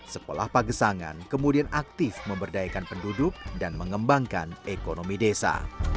sekolah pagesangan kemudian aktif memberdayakan penduduk dan mengembangkan ekonomi desa